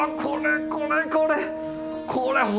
これこれこれ！